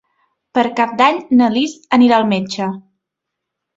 Per Cap d'Any na Lis anirà al metge.